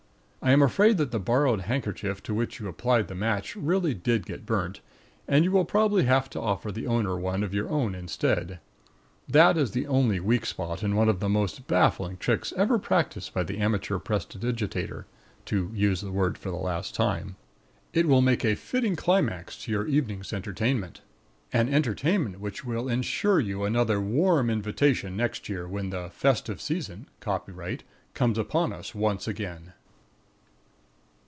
I am afraid that the borrowed handkerchief to which you applied the match really did get burnt, and you will probably have to offer the owner one of your own instead. That is the only weak spot in one of the most baffling tricks ever practised by the amateur prestidigitator (to use the word for the last time). It will make a fitting climax to your evening's entertainment an entertainment which will ensure you another warm invitation next year when the "festive season" (copyright) comes upon us once again.